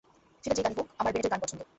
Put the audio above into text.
সেটা যেই গানই হোক, আমার বেনেটের গান পছন্দ।